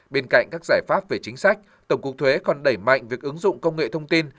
bên cạnh các giải pháp về chính sách tổng cục thuế còn đẩy mạnh việc ứng dụng công nghệ thông tin